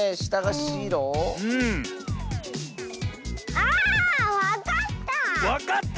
あわかった！